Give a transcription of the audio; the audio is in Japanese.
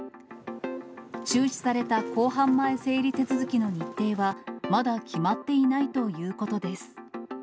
中止された公判前整理手続きの日程は、まだ決まっていないということです。